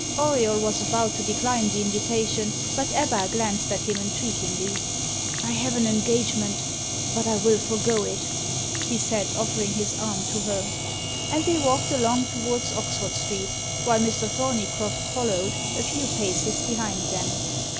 Auriol was about to decline the invitation, but Ebba glanced at him entreatingly. "I have an engagement, but I will forego it," he said, offering his arm to her. And they walked along towards Oxford Street, while Mr. Thorneycroft followed, a few paces behind them.